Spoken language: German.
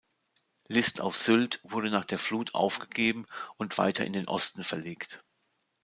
List auf Sylt wurde nach der Flut aufgegeben und weiter in den Osten verlegt.